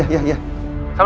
wah ceng bu